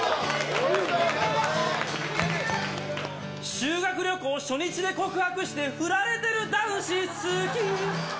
修学旅行初日で告白して振られてる男子、好き。